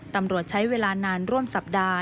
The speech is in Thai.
ตำรวจใช้เวลานานร่วมสัปดาห์